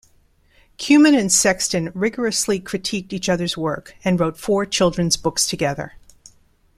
Kumin and Sexton rigorously critiqued each other's work and wrote four children's books together.